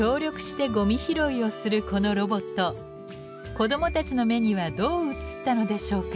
子どもたちの目にはどう映ったのでしょうか？